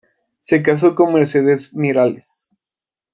Se casó con "Mercedes Miralles".